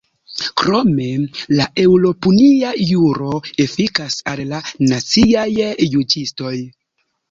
Krome, la eŭropunia juro efikas al la naciaj juĝistoj.